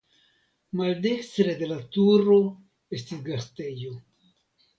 Maldekstre de la turo estis gastejo.